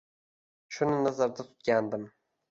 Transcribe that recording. Shuni nazarda tutgandim